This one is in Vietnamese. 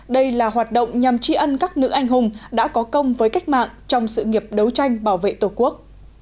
đây là hoạt động nhằm tri ân các nữ anh hùng đã có công với cách mạng trong sự nghiệp đấu tranh bảo vệ tổ quốc